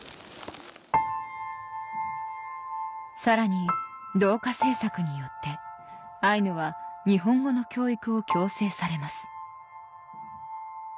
さらに同化政策によってアイヌは日本語の教育を強制されます